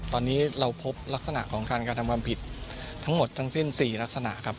ตอนนี้เราพบลักษณะของการกระทำความผิดทั้งหมดทั้งสิ้น๔ลักษณะครับ